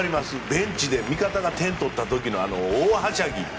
ベンチで味方が点を取った時のあの大はしゃぎ。